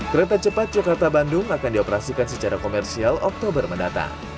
kereta cepat jakarta bandung akan dioperasikan secara komersial oktober mendatang